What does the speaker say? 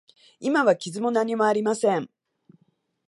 今は傷も何もありません。